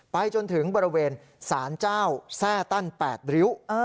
ไปจนถึงบริเวณสารเจ้าแทร่ตั้น๘ริ้ว